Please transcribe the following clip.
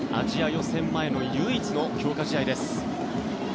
予選前の唯一の強化試合です。